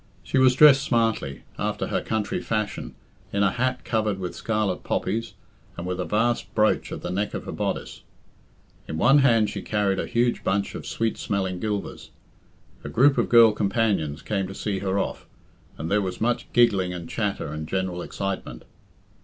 She was dressed smartly, after her country fashion, in a hat covered with scarlet poppies, and with a vast brooch at the neck of her bodice. In one hand she carried a huge bunch of sweet smelling gilvers. A group of girl companions came to see her off, and there was much giggling and chatter and general excitement.